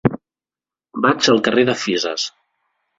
Vaig al carrer de Fisas.